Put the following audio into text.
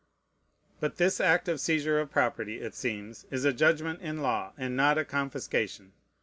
But this act of seizure of property, it seems, is a judgment in law, and not a confiscation.